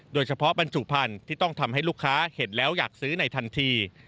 บรรจุพันธุ์ที่ต้องทำให้ลูกค้าเห็นแล้วอยากซื้อในทันที